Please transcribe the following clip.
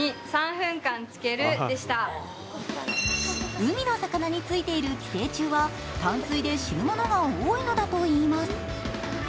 海の魚についている寄生虫は淡水で死ぬものが多いのだといいます。